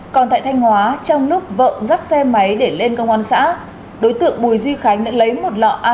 còn tại thanh hóa trong lúc vợ dắt xe máy để lên công an xã đối tượng bùi duy khánh đã lấy một lọ a